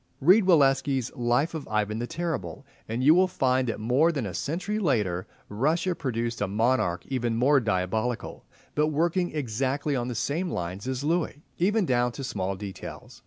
Read Walewski's "Life of Ivan the Terrible," and you will find that more than a century later Russia produced a monarch even more diabolical, but working exactly on the same lines as Louis, even down to small details.